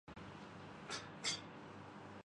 مار کھانی ہے؟